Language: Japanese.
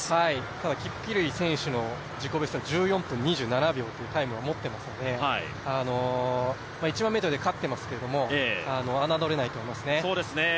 ただキプキルイ選手の自己ベストは１４分２７秒というタイムを持っていますので、１００００ｍで勝ってますけども侮れないと思いますね。